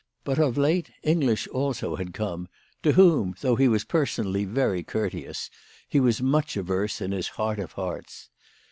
But, of late, English also had come, to whom, though he was personally very courteous, he was much averse in his heart of hearts.